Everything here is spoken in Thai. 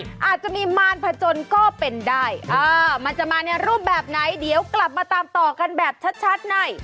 อาจจะมีมารพจนก็เป็นได้เออมันจะมาในรูปแบบไหนเดี๋ยวกลับมาตามต่อกันแบบชัดใน